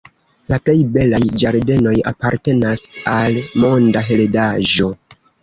La plej belaj ĝardenoj apartenas al Monda Heredaĵo.